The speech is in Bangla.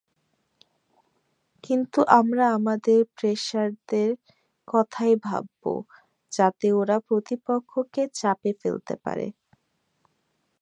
কিন্তু আমরা আমাদের পেসারদের কথাই ভাবব, যাতে ওরা প্রতিপক্ষকে চাপে ফেলতে পারে।